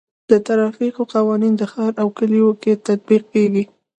د ټرافیک قوانین په ښار او کلیو کې تطبیق کیږي.